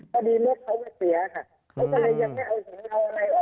ตทดลงเขาก็เสียค่ะ